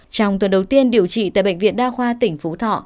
trong tuần đầu tiên điều trị tại bệnh viện đa khoa tỉnh phú thọ